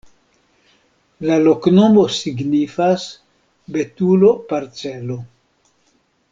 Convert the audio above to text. La loknomo signifas: betulo-parcelo.